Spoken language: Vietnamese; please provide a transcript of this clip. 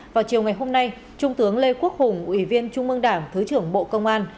vào chiều ngày hôm nay trung tướng lê quốc hùng ủy viên trung mương đảng thứ trưởng bộ công an